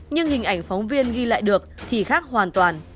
nhưng hình ảnh phóng viên ghi lại được thì khác hoàn toàn